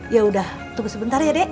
ya udah tunggu sebentar ya dek